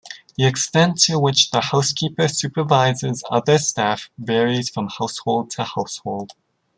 The extent to which the housekeeper supervises other staff varies from household to household.